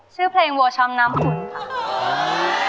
ชื่อเพลงวัวช้ำน้ำขุนค่ะ